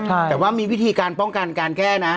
แต่ว่ามีวิธีการป้องกันการแก้นะ